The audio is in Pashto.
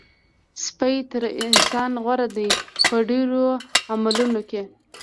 سپی تر انسان غوره دی په ډېرو عملونو کې.